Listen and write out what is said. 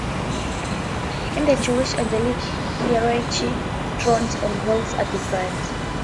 In the Jewish angelic hierarchy thrones and wheels are different.